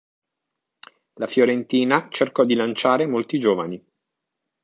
La Fiorentina cercò di lanciare molti giovani.